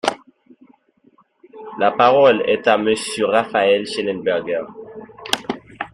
La parole est à Monsieur Raphaël Schellenberger.